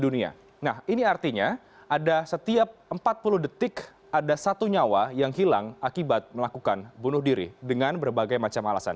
nah ini artinya ada setiap empat puluh detik ada satu nyawa yang hilang akibat melakukan bunuh diri dengan berbagai macam alasan